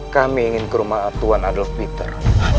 kami ingin ke rumah tuan adolf peter